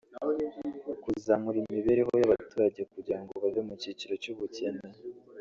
kuzamura imibereho y’abaturage kugirango bave mu kiciro cy’ubukene